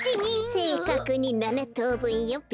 せいかくに７とうぶんよべ。